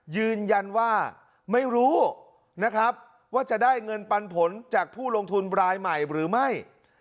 ยืนยันว่าไม่รู้นะครับว่าจะได้เงินปันผลจากผู้ลงทุนรายใหม่หรือไม่